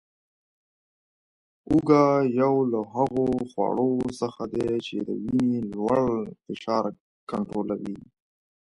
هوګه یو له هغو خوړو څخه دی چې د وینې لوړ فشار کنټرولوي